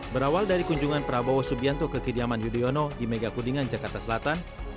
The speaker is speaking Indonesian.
berawal dari kunjungan prabowo subianto ke kediaman yudhoyono di megakudingan jakarta selatan